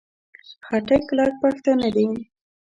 خټک کلک پښتانه دي.